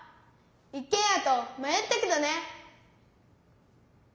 一けん家とまよったけどね。